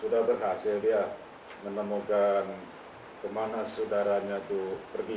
sudah berhasil dia menemukan kemana saudaranya itu pergi